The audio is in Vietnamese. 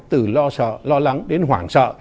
từ lo sợ lo lắng đến hoảng sợ